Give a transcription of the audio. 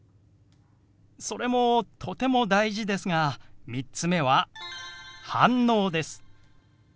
それもとても大事ですが３つ目は「反応」です。